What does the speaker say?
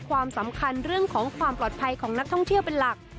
ความสำคัญเรื่องของความปลอดภัยของนักท่องเที่ยวเป็นหลัก